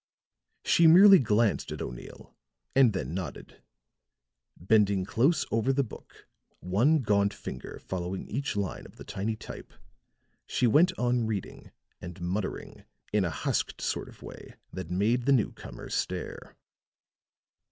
She merely glanced at O'Neill, and then nodded; bending close over the book, one gaunt finger following each line of the tiny type, she went on reading and muttering in a husked sort of way that made the newcomer stare.